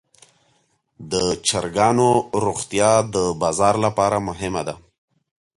د چرګانو روغتیا د بازار لپاره مهمه ده.